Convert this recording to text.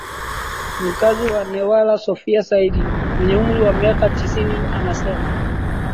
Mkazi wa Newala Sophia Saidi mwenye umri wa miaka tisini anasema